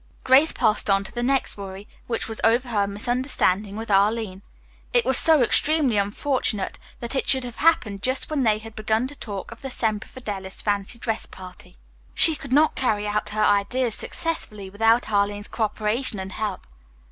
Grace passed on to the next worry, which was over her misunderstanding with Arline. It was so extremely unfortunate that it should have happened just when they had begun to talk of the Semper Fidelis fancy dress party. She could not carry out her ideas successfully without Arline's co operation and help.